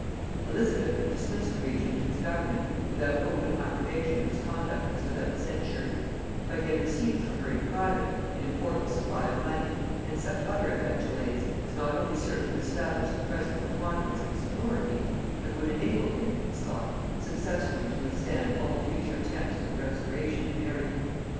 Elizabeth had dismissed the regent to his government without open approbation of his conduct as without censure; but he had received from her in private an important supply of money, and such other effectual aids as not only served to establish the present preponderance of his authority, but would enable him, it was thought, successfully to withstand all future attempts for the restoration of Mary.